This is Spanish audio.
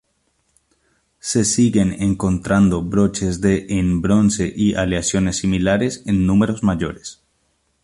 Se siguen encontrando broches de en bronce y aleaciones similares en números mayores.